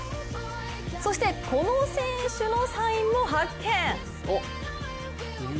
そして、この選手のサインも発見。